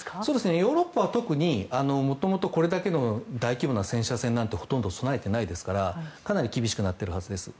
ヨーロッパはこれだけの大規模な戦車戦なんてほとんど備えてないはずですからかなり厳しくなるはずです。